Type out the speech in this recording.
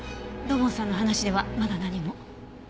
土門さんの話ではまだ何も。